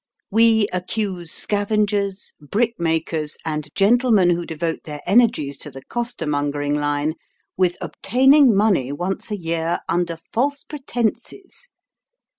We accuse scavengers, brick makers, and gentlemen who devote their energies to the costermonger ing lino, with obtaining money once a year, under false pretences.